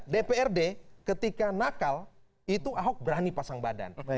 dprd ketika nakal itu ahok berani pasang badan